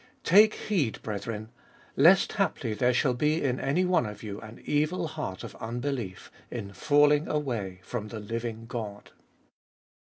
Take heed, brethren, lest haply there shall be In any one of you an evil heart of unbelief, in falling away from the living God.